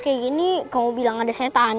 kayak gini kamu bilang ada setan